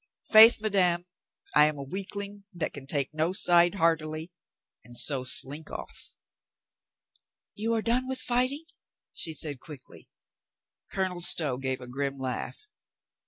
Faith, madame, I am a weak ling that can take no side heartily, and so slink off." "You are done with fighting?" she said quickly. Colonel Stow gave a grim laugh.